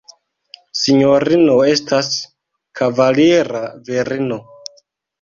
Sinjorino estas kavalira virino.